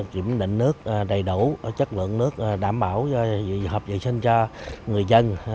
kiểm định nước đầy đủ chất lượng nước đảm bảo cho hợp dự sinh cho người dân